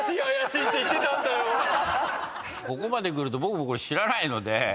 ここまでくると僕もこれ知らないので。